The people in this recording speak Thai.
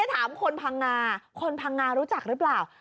ถามคนพังงาคนพังงารู้จักหรือเปล่า